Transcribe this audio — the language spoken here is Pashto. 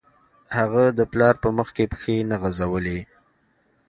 هغه د پلار په مخکې پښې نه غځولې